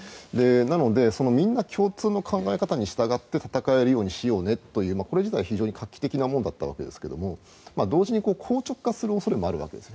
なのでみんな共通の考え方に従って戦えるようにしようねというこれ自体は非常に画期的なものだったんですが同時に硬直化する恐れもあるわけです。